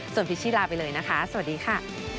ส่วนพิชชี่ลาไปเลยนะคะสวัสดีค่ะ